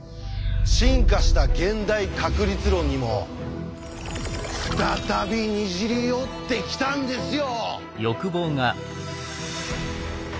進化した現代確率論にも再びにじり寄ってきたんですよ！